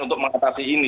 untuk mengatasi ini